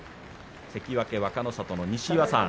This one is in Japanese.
関脇若の里の西岩さん。